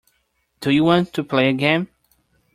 Do you want to play a game.